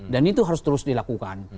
dan itu harus terus dilakukan